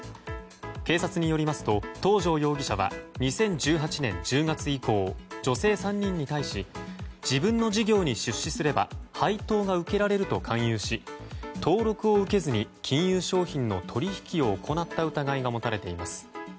警察によりますと、東條容疑者は２０１８年１０月以降女性３人に対し自分の事業に出資すれば配当が受けられると勧誘し登録を受けずに金融商品の取引を行った疑いが持たれています。